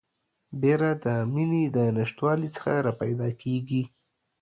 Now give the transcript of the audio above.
بیره د میني د نشتوالي څخه راپیدا کیږي